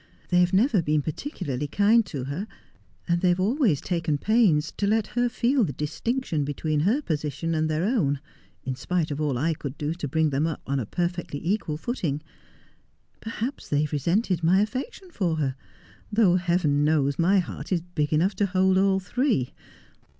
' They have never been particularly kind to her, and they have always taken pains to let her feel the distinction between her position and their own, in spite of all I could do to bring them up on a perfectly equal footing. Perhaps they have resented my affection for her, though Heaven knows my heart is big enough to hold all three.